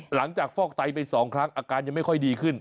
ฟอกไตไป๒ครั้งอาการยังไม่ค่อยดีขึ้น